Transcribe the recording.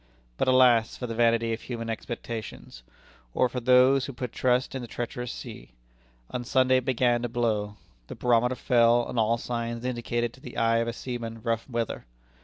But alas! for the vanity of human expectations, or for those who put trust in the treacherous sea. On Sunday it began to blow. The barometer fell, and all signs indicated to the eye of a seaman rough weather.